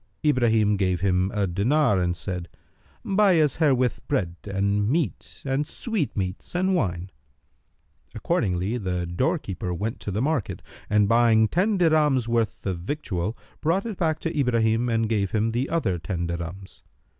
Ibrahim gave him a dinar, and said, "Buy us herewith bread and meat and sweetmeats and wine." Accordingly the doorkeeper went to the market; and, buying ten dirhams' worth of victual, brought it back to Ibrahim and gave him the other ten dirhams.